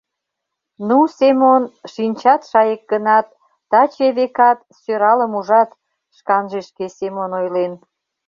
— Ну, Семон, шинчат шайык гынат, таче, векат, сӧралым ужат! — шканже шке Семон ойлен.